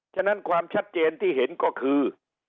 ฉะนั้นความชัดเจนที่เห็นก็คือ